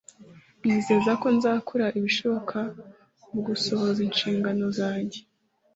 mwizeza ko nzakora ibishoboka mu gusohoza inshingano zanjye